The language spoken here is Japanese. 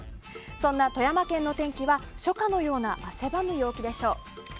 そんな富山県の天気は初夏のような汗ばむ陽気でしょう。